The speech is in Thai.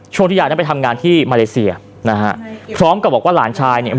ที่ยายนั้นไปทำงานที่มาเลเซียนะฮะพร้อมกับบอกว่าหลานชายเนี่ย